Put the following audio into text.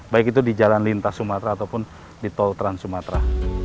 baik itu di jalan lintas sumatera ataupun di tol trans sumatera